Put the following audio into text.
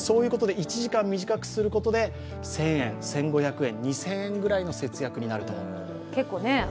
１時間短くすることで１０００円、１５００円、２０００円ぐらいの節約になると。